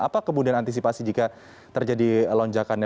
apa kemudian antisipasi jika terjadi lonjakannya